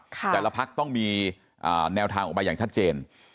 แต่ละพักต้องมีแนวทางออกมาอย่างชัดเจน